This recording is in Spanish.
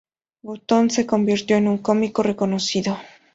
Buttons se convirtió en un cómico reconocido.